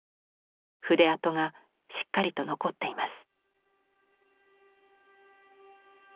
筆跡がしっかりと残っています。